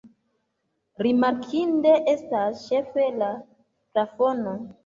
Rimarkinde estas ĉefe la plafono.